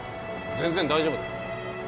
全然大丈夫だよ